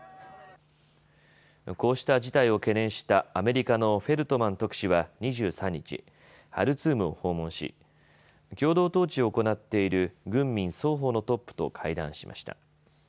こうした事態を懸念したアメリカのフェルトマン特使は２３日、ハルツームを訪問し、共同統治を行っている軍民双方のトップと会談しました。